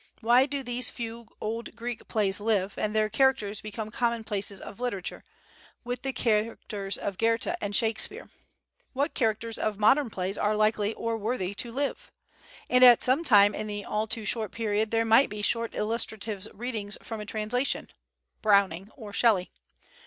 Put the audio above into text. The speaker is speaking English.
Why do these few old Greek plays live, and their characters become commonplaces of literature, with the characters of Goethe and Shakespeare? What characters of modern plays are likely or worthy to live? And at some time in the all too short period there might be short illustrative readings from a translation Browning, or Shelley.